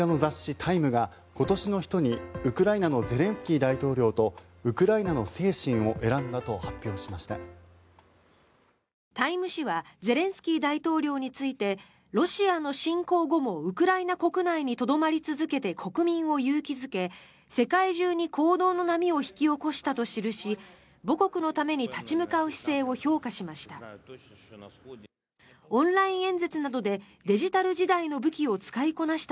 「タイム」誌はゼレンスキー大統領についてロシアの侵攻後もウクライナ国内にとどまり続けて国民を勇気付け、世界中に行動の波を引き起こしたと記し母国のために立ち向かう姿勢を評価しました。